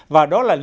và đó là lý do